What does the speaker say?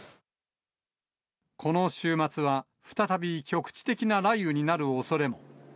この週末は再び、局地的な雷雨になるおそれも。